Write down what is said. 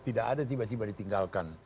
tidak ada tiba tiba ditinggalkan